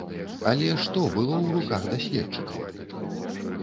Але што было ў руках даследчыкаў?